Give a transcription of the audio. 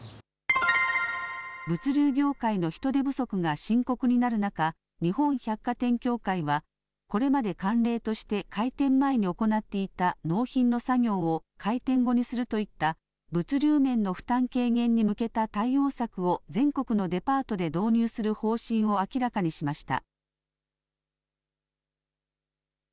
物流業界の人手不足が深刻になる中、日本百貨店協会は、これまで慣例として開店前に行っていた納品の作業を開店後にするといった、物流面の負担軽減に向けた対応策を全国のデパートで導入する方針を明らかにしました。